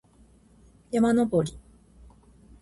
山登り